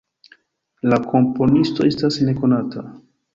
La komponisto estas nekonata.